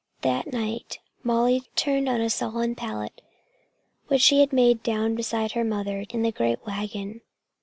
That night Molly turned on a sodden pallet which she had made down beside her mother in the great wagon.